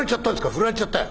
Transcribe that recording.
「振られちゃったよ。